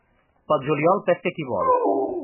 Pel juliol pesca qui vol.